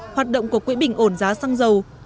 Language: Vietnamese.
hoạt động của quỹ bình ổn giá xăng dầu